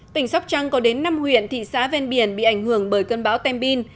tỉnh sóc trăng có đến năm huyện thị xã ven biển bị ảnh hưởng bởi cơn bão tempin